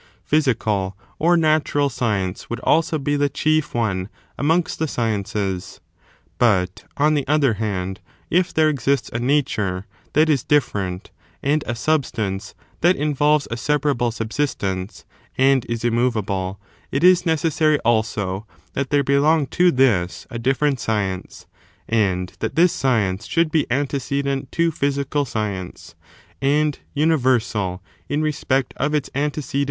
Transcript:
Physical or Natural Science would also be the chief one amongst the sciences ; but, on the other hand, if there exists a nature that is different, and a substance that involves a separable subsist ence, and is immovable, it is necessary, also, that there belong to this a different science, and that this science should be antecedent to physical science, and universal in respect of its antecedence or priority.